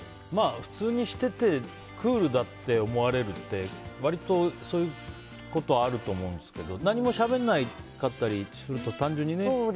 普通にしててクールだって思われるって割と、そういうことはあると思うんですけど何もしゃべらなかったりすると単純にね。